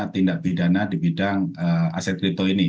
tindak bidana di bidang aset crypto ini